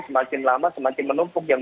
semakin lama semakin menumpuk yang